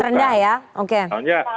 sangat rendah ya